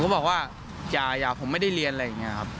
แต่ว่าเขาไม่ฟัง